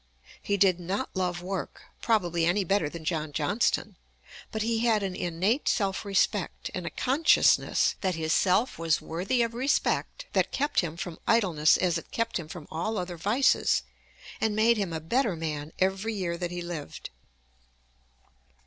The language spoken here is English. He did not love work, probably, any better than John Johnston; but he had an innate self respect, and a consciousness that his self was worthy of respect, that kept him from idleness as it kept him from all other vices, and made him a better man every year that he lived.